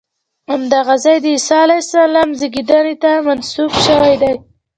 همدغه ځای د عیسی علیه السلام زېږېدنې ته منسوب شوی دی.